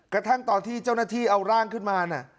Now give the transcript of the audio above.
กระทั่งตอนที่เจ้าหน้าที่เอาร่างขึ้นมา